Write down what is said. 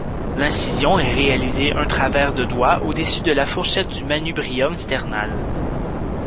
L'incision est réalisée un travers de doigt au-dessus de la fourchette du manubrium sternal.